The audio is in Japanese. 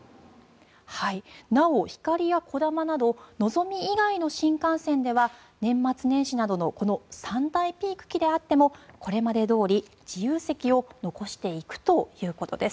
なお、ひかりやこだまなどのぞみ以外の新幹線では年末年始などの三大ピーク期であってもこれまでどおり自由席を残していくということです。